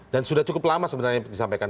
dan sudah cukup lama sebenarnya disampaikan